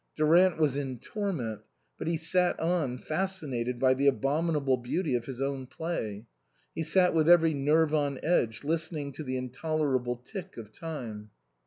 Durant was in torment, but he sat on, fascinated by the abominable beauty of his own play ; he sat with every nerve on edge, lis tening to the intolerable tick of time.